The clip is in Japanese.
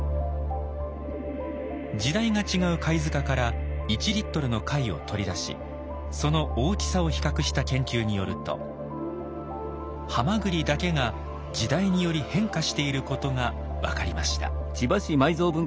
時代が違う貝塚から１リットルの貝を取り出しその大きさを比較した研究によるとハマグリだけが時代により変化していることが分かりました。